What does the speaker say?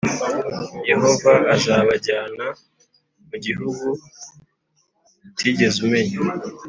yehova azabajyana+ mu gihugu utigeze umenya,